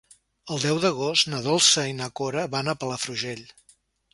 El deu d'agost na Dolça i na Cora van a Palafrugell.